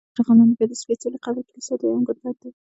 تر هغه لاندې بیا د سپېڅلي قبر کلیسا دویم ګنبد دی.